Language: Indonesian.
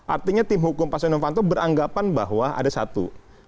artinya tim hukum pak setia novanto beranggapan bahwa ada satu